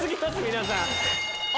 皆さん。